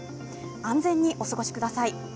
安全にお過ごしください。